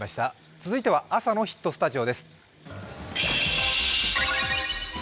続いては「朝のヒットスタジオ」です。